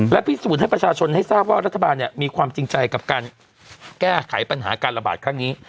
และพิสูจน์ให้ประชาชนให้ทราบว่ารัฐบาลมีความจริงใจกับการแก้ไขปัญหาการระบาดครั้งนี้